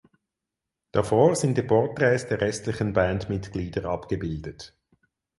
Davor sind die Porträts der restlichen Bandmitglieder abgebildet.